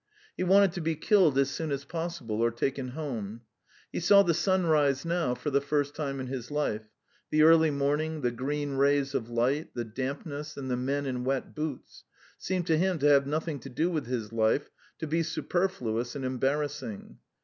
He wanted to be killed as soon as possible or taken home. He saw the sunrise now for the first time in his life; the early morning, the green rays of light, the dampness, and the men in wet boots, seemed to him to have nothing to do with his life, to be superfluous and embarrassing.